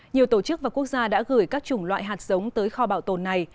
nhiều tổ chức và quốc gia đã gửi các chủng loại hạt giống tới kho bảo tồn này